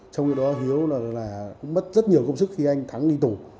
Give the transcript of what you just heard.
trong khi đó hiếu là cũng mất rất nhiều công sức khi anh thắng đi tù